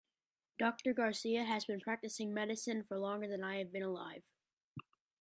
Doctor Garcia has been practicing medicine for longer than I have been alive.